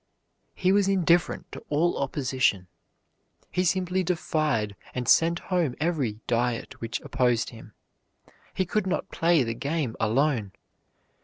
He was indifferent to all opposition. He simply defied and sent home every Diet which opposed him. He could play the game alone.